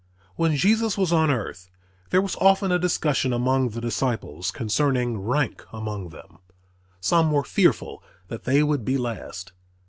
When Jesus was on earth there was often a discussion among the disciples concerning rank among them. Some were fearful that they would be last.